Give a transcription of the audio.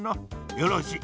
よろしい。